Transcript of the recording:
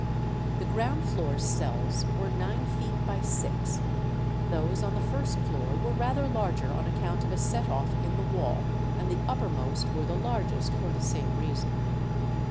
The ground floor cells were nine feet by six; those on the first floor were rather larger on account of a set off in the wall; and the uppermost were the largest, for the same reason.